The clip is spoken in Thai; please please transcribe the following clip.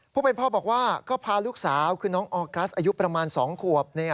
ผู้เป็นพ่อบอกว่าก็พาลูกสาวคือน้องออกัสอายุประมาณ๒ขวบ